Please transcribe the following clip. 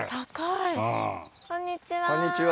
こんにちは。